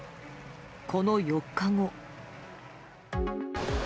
この４日後。